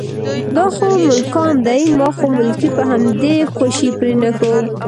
دا خو ملکان دي، ما خو ملکي په همدې خوشې پرېنښوده.